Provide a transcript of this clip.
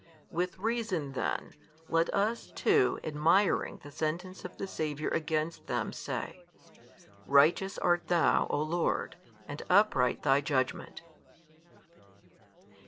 With reason then, let us too admiring the sentence of the Saviour against them, say, Righteous art Thou, o Lord, and upright Thy Judgment.